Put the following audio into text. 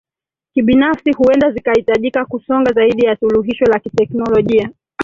kibinafsi huenda zikahitajika kusonga zaidi ya suluhisho la kiteknolojia